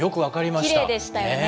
きれいでしたよね。